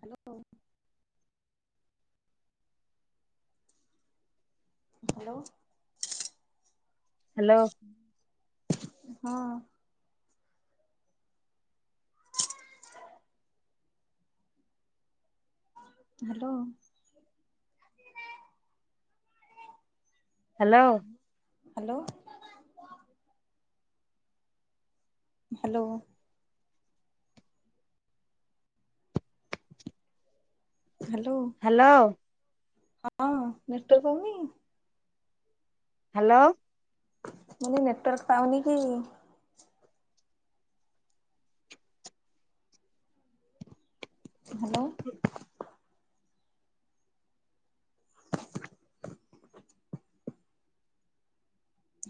Hello. Hello hello ହଁ। Hello. Hello. Hello. Hello. Hello. Hello. ହଁ ମିଷ୍ଟ କଉନି। ହ୍ୟାଲୋ। ମାନେ ନେଟୱାର୍କ ପାଉନି କି? Hello.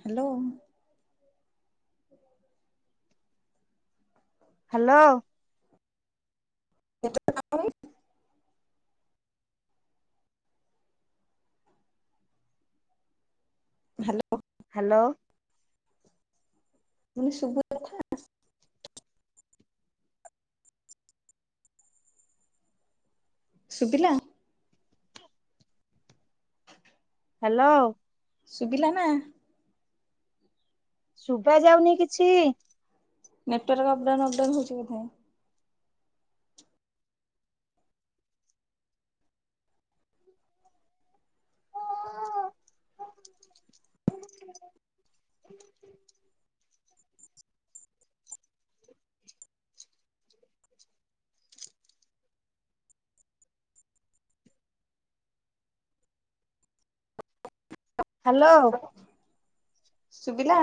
Hello. Hello. [unintelligible] Hello. Hello. ମାନେ ଶୁଭୁ କଥା। ଶୁବିଲା? ହ୍ୟାଲୋ। ଶୁଭିଲା ନା? ଶୁଭା ଯାଉନି କିଛି। ନେଟୱାର୍କ ଅପଡାଉନ ଅପଡାଉନ ହଉଛି କଥା। ହ ହ୍ୟାଲୋ। ଶୁବିଲା?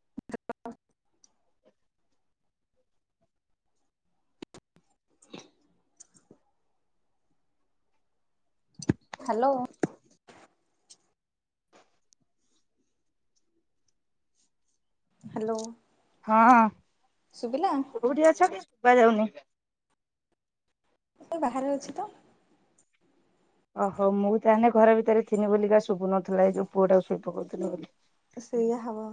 [unintelligible] ହ୍ୟାଲୋ। ହ୍ୟାଲୋ। ହଁ। ସୁୁବିଲା? କୋଉଠି ଅଛ କି ଶୁବା ଯାଉନି। ଏ ବାହାରେ ଅଛି ତ। ଓହୋ ମୁଁ ତାହେଲେ ଘର ଭିତରେ ଥିନି ବୋଲିିକା ଶୁଭୁ ନଥିଲା ଏ ଯୋଉ ପୁଅଟାକୁ ଶୋଇ ପକଉଥିଲି ବୋଲି। ସେଇଆ ହବ।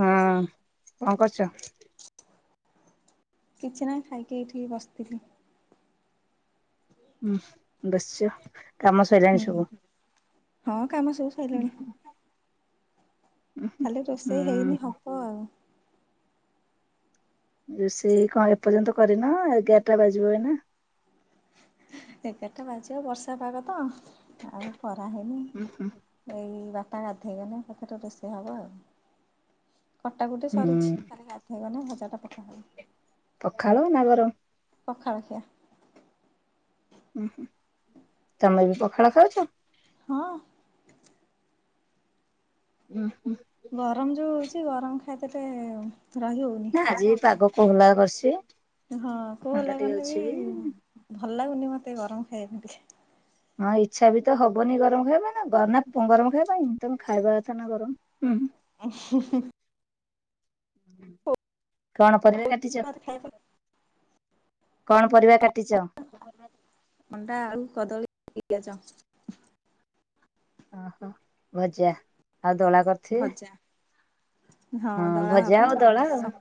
ହଁ କଣ କରୁଛ? କିଛି ନାହିଁ ଖାଇକି ଏଇଠିକି ବସିଥିଲି। ହୁଁ ବସିଛ? କାମ ହୁଁ ସଇଲାଣି ସବୁ? ହଁ କାମ ସବୁ ଉ ସରିଲାଣି ହୁଁ। ଖାଲି ରୋଷେଇ ହୁଁ, ହେଇନି ହବ ଆଉ। ରୋଷେଇ କଣ ଏପର୍ଯ୍ୟନ୍ତ କରିନ ଏଗାରଟା ବାଜିବ ଏଇନା? ଏଗାରଟା ବାଜିବ ବର୍ଷା ପାଗ ତ ଆଉ କରା ହେଇନି। ଉଁ, ଏଇ ବାପା ଗାଧେଇଗଲେ ଏଥର ରୋଷେଇ ହବ ଆଉ କଟା କଟି ହୁଁ ସରିଛି। ଖଲିି ଗାଧେଇଗଲେ ଭଜାଟା ପକାହବ। ପଖାଳ ନା ଗର? ପଖାଳ ଖିଆ। ଉ ହୁଁ ତମେ ବି ପଖାଳ ଖାଉଛ? ହଁ। ଉ ହୁଁ। ଗରମ ଯୋଉ ହଉଛି ଗରମ ଖାଇଦେଲେ ରହି ହଉ ନା ଆଜି ପାଗ କୋହଲା କରସି। ହଁ କୋଉ ହେଲା କାନେ ବି ଭଲ ଲାଗୁନି ମତେ ଗରମ ଖାଇ [unintelligible] ହଁ ଇଚ୍ଛା ବି ତ ହବନି ଗରମ ଖାଇବା ନା ଗରମ ଖାଇବା ପାଇଁ ତମେ ଖାଇବା କଥା ନା ଗରମ। ହୁଁ। ଓ କଣ ପରିବା କେ ପରେ ଖାଇବା। କଣ ପରିବା କାଟିଚ? ଅଣ୍ଡା ଆଳୁ କଦଳୀ ପିଆଜ। ଓହୋ ଭଜା ଆଉ ଦୋଳା କର ଭଜା। ହଁ ଦଳା ଭଜା ହବ ଆଉ ଦଳା ଆଉ ହୁଁ ସ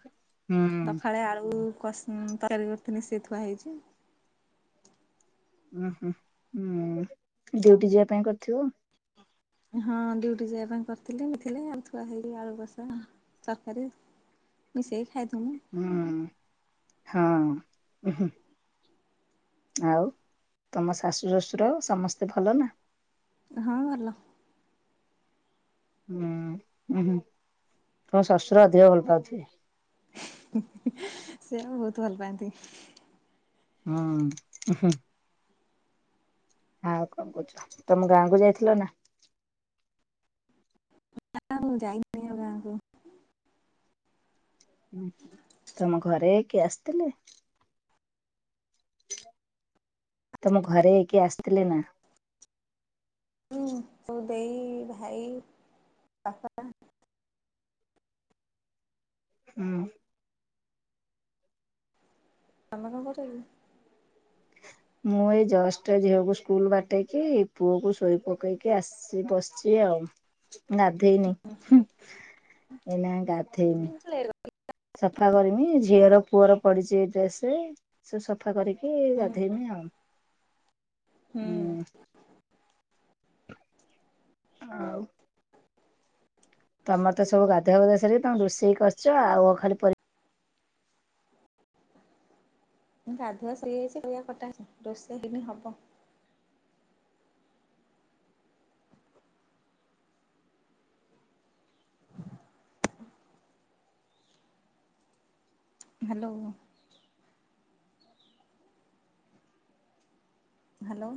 ସକାଳେ ଆଳୁ କଷ୍ ହୁଁ ତୟାରି କରିଥିଲି ସେ ଥୁଆ ହେଇଛି। ଉଁ ହୁଁ ହୁଁ ଡ୍ୟୁଟି ଯିବା ପାଇଁ କରିଥିବ? ହଁ ଡ଼୍ୟୁଟି ଯିବା ପାଇଁ କରିଥିଲି ମିଥିଲେ ଆଉ ଛୁଆ ହେଇ ଆଳୁ ବସା ତରକାରୀ। ମିସେଇକି ଖାଇଦନୁ। ହୁଁ ହଁ। ଆଉ ତମ ଶାଶୁ ଶଶୁର ସମସ୍ତେ ଭଲ ନା? ହଁ ଭଲ। ହୁଁ ହୁଁ ହୁଁ ତମ ଶଶୁର ଅଧିକ ଭଲ ପାଉଥିବେ? ହ ସେ ବହୁତ ଭଲ ପାଆନ୍ତି। ହଁ। ଆଉ କଣ କରୁଛ ତମେ ଗାଁ କୁ ଯାଇଥିଲ ନା? ନା ମୁଁ ଯାଇନି। ଆଉ ଗାଁକୁ ତମ ଘରେ କିଏ ଆସିଥିଲେ? ତମ ଘରେ କିଏ ଆସିଥିଲେ ନା? ହଁ ତୋ ଦେଇ ଭାଇ ବାପା ହୁଁ। ତମେ କଣ କରିବ କି? ମୁଁ ଏଇ ଜଷ୍ଟ ଝିଅକୁ ସ୍କୁଲ ବାଟେଇକି ପୁଅକୁ ଶୋଇ ପକେଇକି ଆସ୍ ସି ବସିଛି ଆଉ। ଗାଧେଇନି ଏନା ଗାଧେଇନି। [unintelligible] ସଫା କରିମି ଝିଅର ପୁଅର ପଡିଛି ଏଇ ଡ୍ରେସ ରେ ସବୁ ସଫା କରି କି ଗାଧେଇମି ଆଉ ହୁଁ। ଆଉ ତମର ତ ସବୁ ଗାୁଆବାଧ ସିକି ତମ ରୋଷେଇକି କରିଛ ଆଉ ଖାଲି ପ ଗାଧୁଆ ଚ [unintelligible] ରୋଷେଇ ହେଇନି ହବ। ହ୍ୟାଲୋ। ହ୍ୟାଲୋ।